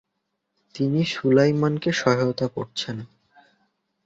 তিনি সুলাইমানকে সহায়তা করেছেন।